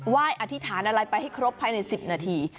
ว่ายอธิษฐานอะไรไปให้ครบภายใน๑๐นาที